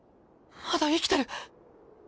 まだ生きてる。